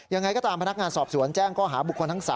ยังไงก็ตามพนักงานสอบสวนแจ้งข้อหาบุคคลทั้ง๓